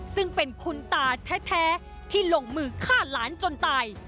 ซึ่งเป็นคุณตาแท้ที่ลงมือฆ่าหลานจนตาย